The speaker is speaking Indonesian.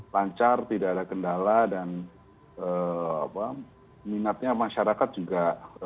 lancar tidak ada kendala dan minatnya masyarakat juga